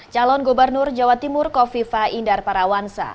calon gubernur jawa timur kofifa indar parawansa